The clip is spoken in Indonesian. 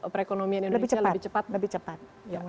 perekonomian indonesia lebih cepat